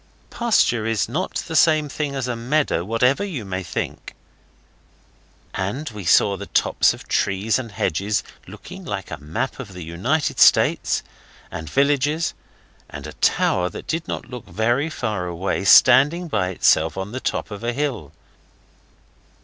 A pasture is not the same thing as a meadow, whatever you may think. And we saw the tops of trees and hedges, looking like the map of the United States, and villages, and a tower that did not look very far away standing by itself on the top of a hill.